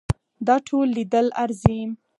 دا ټول لیدل ارزي.